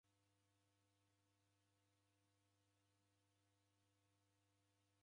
Wichanivisa aha nyumbenyi